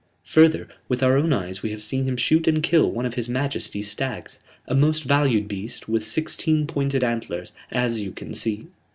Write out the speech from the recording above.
Further, with our own eyes have we seen him shoot and kill one of his Majesty's stags, a most valued beast with sixteen pointed antlers, as you can see.